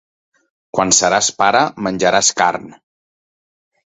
Quan seràs pare menjaràs carn.